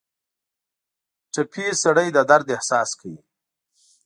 ټپي سړی د درد احساس کوي.